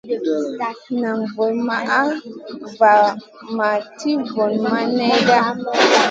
Naʼ vulmaʼ va ma ti vunmaʼ nèhda.